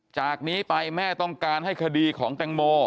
จากนี้ไปแม่ต้องการให้คดีของแตงโม